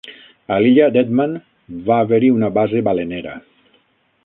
A l'illa Deadman va haver-hi una base balenera.